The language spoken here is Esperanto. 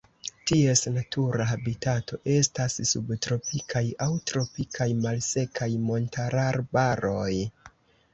Ties natura habitato estas subtropikaj aŭ tropikaj malsekaj montararbaroj.